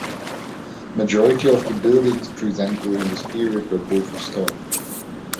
Majority of the buildings present during this period were built with stone.